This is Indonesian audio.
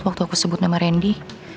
waktu aku sebut nama randy